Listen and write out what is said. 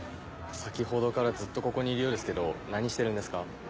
先ほどからずっとここにいるようですけど何してるんですか？